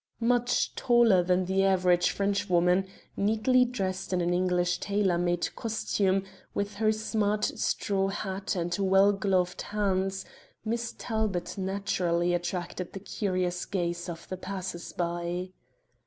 Much taller than the average Frenchwoman, neatly dressed in an English tailor made costume, with her smart straw hat and well gloved hands, Miss Talbot naturally attracted the curious gaze of the passers by.